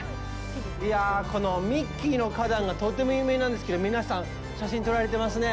いやぁ、このミッキーの花壇がとても有名なんですけど、皆さん、写真を撮られてますね。